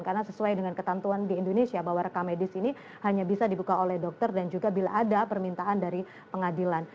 karena sesuai dengan ketentuan di indonesia bahwa rekam medis ini hanya bisa dibuka oleh dokter dan juga bila ada permintaan dari pengadilan